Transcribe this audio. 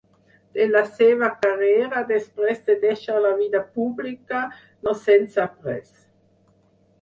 De la seva carrera després de deixar la vida pública no se'n sap res.